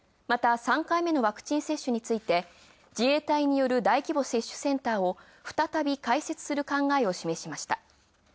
また３回目のワクチン接種について自衛隊による大規模接種センターを再び開設する考えを示しました